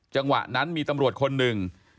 จังหวะนั้นมีตำรวจคนหนึ่ง